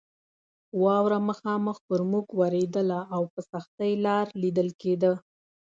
واوره مخامخ پر موږ ورېدله او په سختۍ لار لیدل کېده.